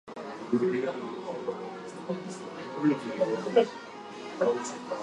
The president is elected by an absolute majority in the House of Peoples' Representatives.